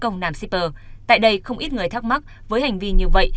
nàm shipper tại đây không ít người thắc mắc với hành vi như vậy